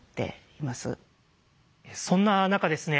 そんな中ですね